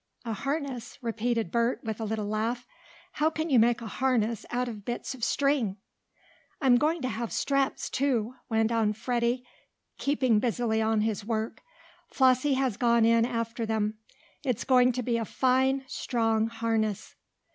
"A harness?" repeated Bert, with a little laugh. "How can you make a harness out of bits of string?" "I'm going to have straps, too," went on Freddie, keeping busily on with his work. "Flossie has gone in after them. It's going to be a fine, strong harness."